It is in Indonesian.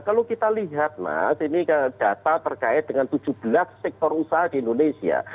kalau kita lihat mas ini data terkait dengan tujuh belas sektor usaha di indonesia